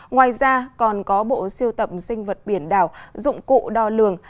ngoài ra còn có bộ siêu tập sinh vật biển đảo dụng cụ đo lường